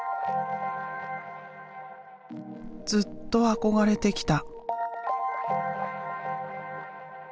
ずっと憧れてきた。